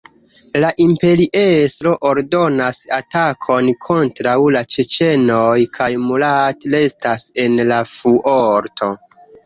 La imperiestro ordonas atakon kontraŭ la ĉeĉenoj, kaj Murat restas en la fuorto.